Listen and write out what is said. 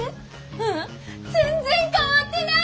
ううん全然変わってない！